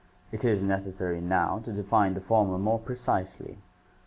It is necessary now to define the former more precisely.